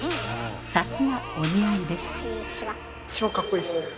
さすがお似合いです。